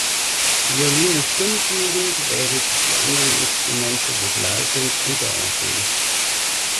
Violine stimmführend, während sich die anderen Instrumente begleitend unterordnen.